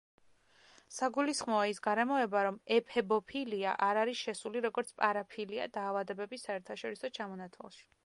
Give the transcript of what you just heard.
საგულისხმოა ის გარემოება, რომ ეფებოფილია არ არის შესული, როგორც პარაფილია დაავადებების საერთაშორისო ჩამონათვალში.